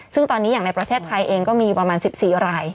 ซึ่งตอนนี้อย่างในประเทศไทยเองก็มีประมาณ๑๔ราย